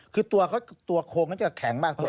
คือตัวโคงก็จะแข็งมาก